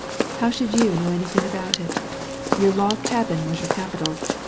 How should you know anything about it? Your log cabin was your capitol.